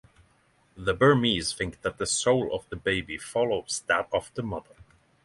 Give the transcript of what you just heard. The Burmese think that the soul of the baby follows that of the mother.